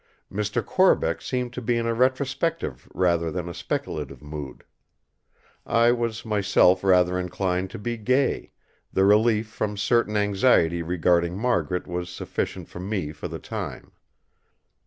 Mr. Corbeck seemed to be in a retrospective rather than a speculative mood. I was myself rather inclined to be gay; the relief from certain anxiety regarding Margaret was sufficient for me for the time.